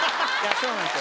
そうなんですよ。